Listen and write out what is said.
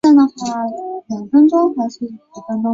温州地区早在商周时期就已经生产原始瓷器。